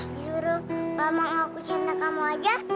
disuruh bapak mau aku cinta kamu aja